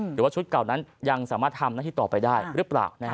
หรือว่าชุดเก่านั้นยังสามารถทำหน้าที่ต่อไปได้หรือเปล่า